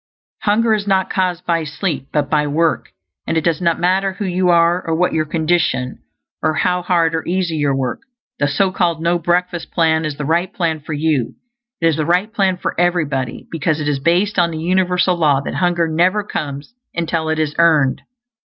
Hunger is not caused by sleep, but by work. And it does not matter who you are, or what your condition, or how hard or easy your work, the so called no breakfast plan is the right plan for you. It is the right plan for everybody, because it is based on the universal law that hunger never comes until it is EARNED.